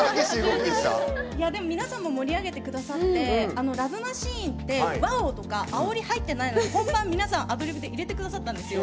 皆さんも盛り上げてくださって「ＬＯＶＥマシーン」ってワオとかあおりが入ってないのに本番で皆さんアドリブで入れてくださったんですよ。